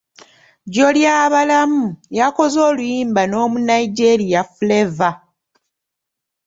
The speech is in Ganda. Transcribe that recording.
Jjolyabalamu, yakoze oluyimba n'Omunayigeria Flavour